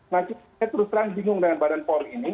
nah saya terus terang bingung dengan badan pom ini